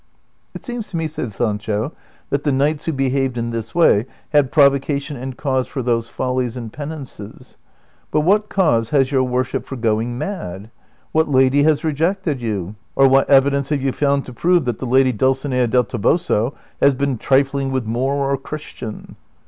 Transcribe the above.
" It seems to me," said Sancho, '• that the knights who be haved in this way had provocation and cause for those follies and penances ; but what cause has your worship for going mad ? AVhat lady has rejected you, or what evidence have you found to prove that the lady Dulcinea del Toboso has been trifling with Moor or Christian